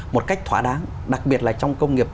một cách thỏa đáng đặc biệt là trong công nghiệp